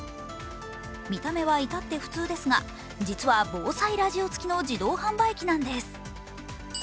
見た目は至って普通ですが、実は防災ラジオ付きの自動販売機なんです。